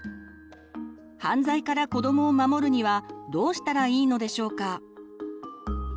犯罪から子どもを守るにはどうしたらいいのでしょうか。